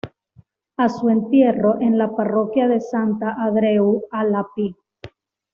A su entierro en la Parroquia de Sant Andreu, a la Pl.